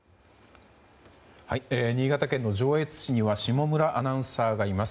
新潟県の上越市には下村アナウンサーがいます。